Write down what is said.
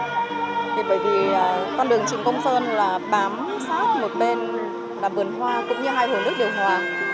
thì bởi vì con đường trịnh công sơn là bám sát một bên là vườn hoa cũng như hai vườn nước điều hòa